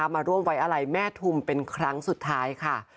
มาร่วมไว้อะไรแม่ทุมเป็นครั้งสุดท้ายค่ะ